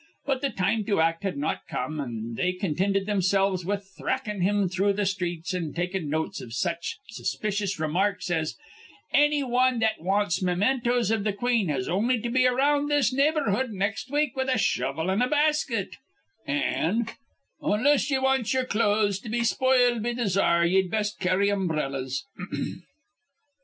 But th' time to act had not come, an' they continted thimselves with thrackin' him through th' sthreets an' takin' notes iv such suspicious remarks as 'Anny wan that wants mementoes iv th' queen has on'y to be around this neighborhood nex' week with a shovel an' a basket,' an' 'Onless ye want ye'er clothes to be spoiled be th' czar, ye'd best carry umbrellas.'